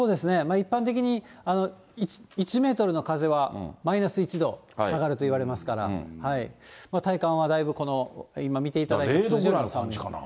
一般的に１メートルの風はマイナス１度下がるといわれますから、体感はだいぶ、０度ぐらいの感じかな。